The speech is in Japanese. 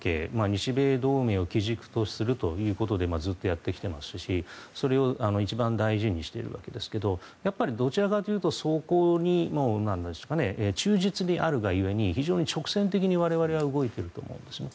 日米同盟を基軸とするということでずっとやってきていますしそれを一番大事にしているわけですがやっぱりどちらかというとそこに忠実であるが故に非常に直線的に我々は動いていると思うんですね。